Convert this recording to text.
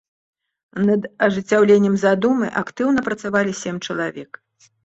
Над ажыццяўленнем задумы актыўна працавалі сем чалавек.